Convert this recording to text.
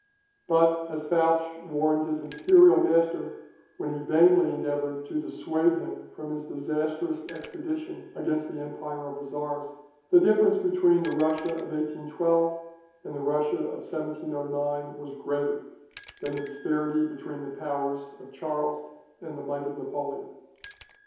But, as Fouche well warned his imperial master, when he vainly endeavoured to dissuade him from his disastrous expedition against the empire of the Czars, the difference between the Russia of 1812 and the Russia of 1709 was greater, than the disparity between the power of Charles and the might of Napoleon.